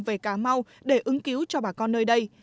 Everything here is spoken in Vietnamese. về cà mau để ứng cứu cho bà con nơi đây